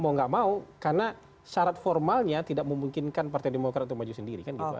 mau nggak mau karena syarat formalnya tidak memungkinkan partai demokrat untuk maju sendiri kan gitu